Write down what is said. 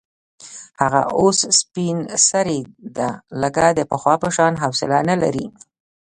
هغه اوس سپین سرې ده، لکه د پخوا په شان حوصله نه لري.